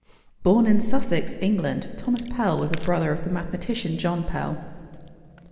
Born in Sussex, England, Thomas Pell was a brother of mathematician John Pell.